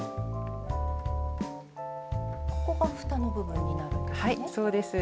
ここがふたの部分になるんですね。